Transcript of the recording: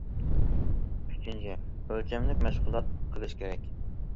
ئۈچىنچى، ئۆلچەملىك مەشغۇلات قىلىش كېرەك.